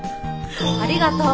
ありがとう。